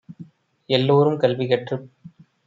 எல்லோரும் கல்வி கற்றுப்